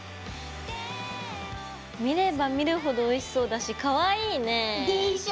見れば見るほどおいしそうだしかわいいね。でしょ。